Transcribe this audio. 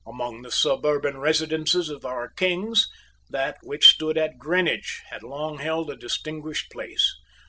Among the suburban residences of our kings, that which stood at Greenwich had long held a distinguished place.